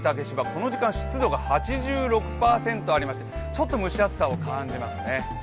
この時間湿度が８６％ありましてちょっと蒸し暑さを感じますね。